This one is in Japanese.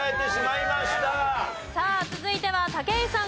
さあ続いては武井さん